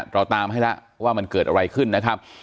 เราตามให้แล้วว่ามันเกิดอะไรขึ้นนะครับ